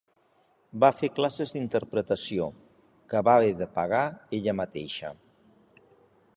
Va fer classes d'interpretació, que va haver de pagar ella mateixa.